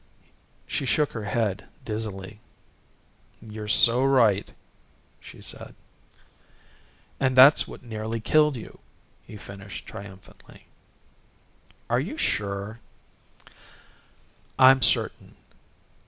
She shook her head dizzily. "You're so right," she said. "And that's what nearly killed you," he finished triumphantly. "Are you sure?" "I'm certain.